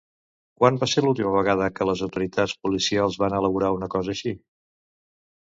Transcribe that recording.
Quan va ser l'última vegada que les autoritats policials van elaborar una cosa així?